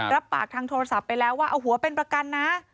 รับปากทางโทรศัพท์ไปแล้วว่าเอาหัวเป็นประกันนะ